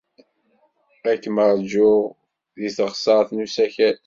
Ad kem-ṛjuɣ deg teɣsert n usakal.